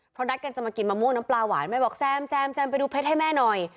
เพราะนัดกันจะมากินมะม่วงน้ำปลาหวานแม่บอกแซมแซมไปดูเพชรให้แม่หน่อย